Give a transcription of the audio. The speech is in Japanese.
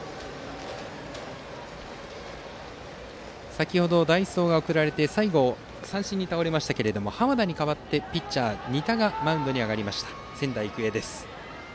先程、代走が送られて最後、三振に倒れましたが濱田に代わってピッチャーの仁田がマウンドに上がります、仙台育英。